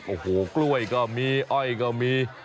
โอ้โหกล้วยก็มีอ้อยก็มี